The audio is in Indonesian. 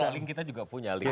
kalau link kita juga punya link